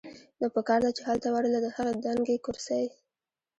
نو پکار ده چې هلته ورله د هغې دنګې کرسۍ